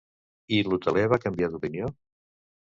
I l'hoteler va canviar d'opinió?